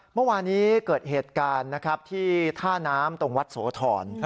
เมื่อวานี้เกิดเหตุการณ์ที่ท่าน้ำตรงวัดโสธร